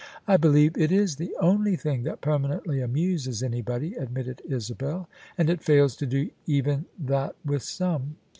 " I believe it is the only thing that permanently amuses anybody," admitted Isabel. " And it fails to do even that with some."